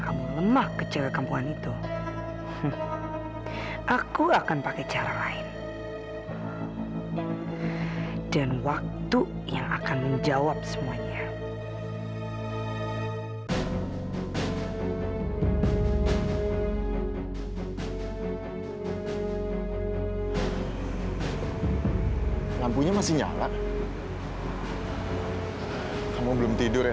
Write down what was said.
sampai jumpa di video selanjutnya